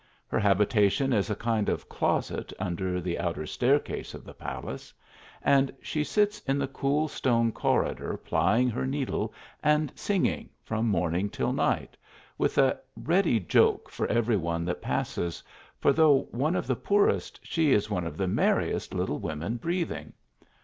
Her habitation is a kind of closet under the outer staircase of the palace, and she sits in the cool stone corridor plying her needle and singing from morning till night, with a ready joke for every one that passes, for though one of the poorest, she is one of the merriest little women breathing.